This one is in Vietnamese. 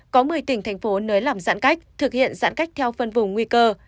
có một mươi tỉnh thành phố nới lỏng giãn cách thực hiện giãn cách theo phân vùng nguy cơ